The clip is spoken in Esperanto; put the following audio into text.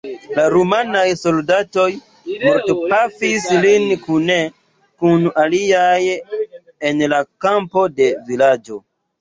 La rumanaj soldatoj mortpafis lin kune kun aliaj en la kampo de vilaĝo.